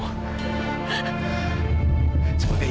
sebagai ibu yang aku kasihi